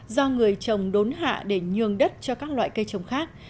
do người trồng đốn hạ để nhường đất cho các loại cây trồng khác